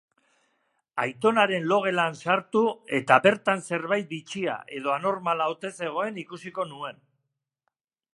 Aitonaren logelan sartu eta bertan zerbait bitxia edo anormala ote zegoen ikusiko nuen.